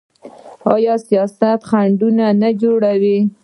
آیا سیاست خنډونه نه جوړوي؟